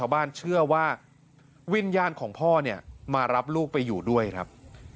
พ่อเนี่ยมารับลูกไปอยู่ด้วยครับ